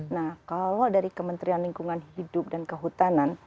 nah kalau dari kementerian lingkungan hidup dan kehutanan